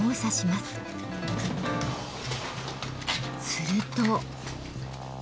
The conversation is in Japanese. すると。